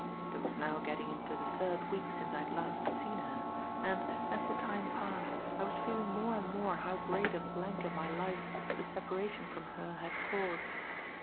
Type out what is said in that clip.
It was now getting into the third week since I had last seen her, and, as the time passed, I was feeling more and more how great a blank in my life the separation from her had caused.